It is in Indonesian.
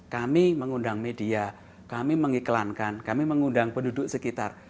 kami mengundang media kami mengiklankan kami mengundang penduduk sekitar